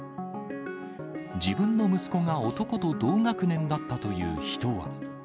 自分の息子が男と同学年だったという人は。